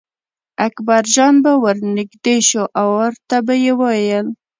اکبرجان به ور نږدې شو او ورته به یې ویل.